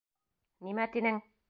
Нимә тинең?